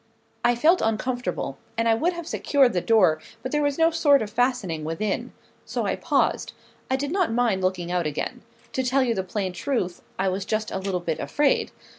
I felt uncomfortable; and I would have secured the door, but there was no sort of fastening within. So I paused. I did not mind looking out again. To tell you the plain truth, I was just a little bit afraid.